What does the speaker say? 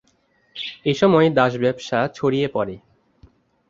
এসময় দাস ব্যবসা ছড়িয়ে পরে।